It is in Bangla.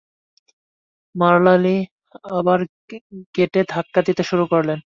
মারলা লি আবার গেটে ধাক্কা দিতে শুরু করলেন।